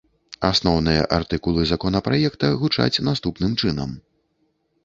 Асноўныя артыкулы законапраекта гучаць наступным чынам.